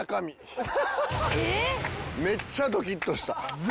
めっちゃドキッとした。